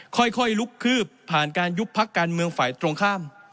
ค่อยลุกคืบผ่านการยุบพักการเมืองฝ่ายตรงข้าม